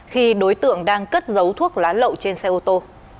khi đối tượng đang cất giấu thuốc lá lậu trên xe ô tô